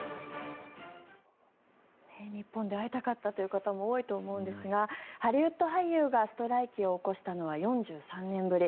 日本で会いたかったという方も多いと思うんですがハリウッド俳優がストライキを起こしたのは４３年ぶり。